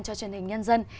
cho truyền hình nhân dân